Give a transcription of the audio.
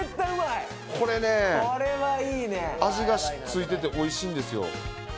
これね味がついてておいしいんですよ